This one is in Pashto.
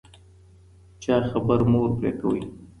د چا خبره مه ور پرې کوئ.